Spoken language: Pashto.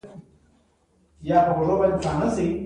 د سبزیجاتو کرنه د کورنیو اړتیاوو پوره کولو لپاره ضروري ده.